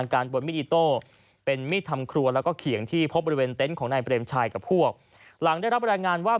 กับพวกหลังได้รับรายงานว่า